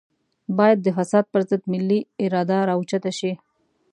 بايد د فساد پر ضد ملي اراده راوچته شي.